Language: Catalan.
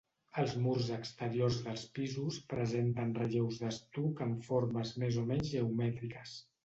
Els murs exteriors dels pisos presenten relleus d'estuc amb formes més o menys geomètriques.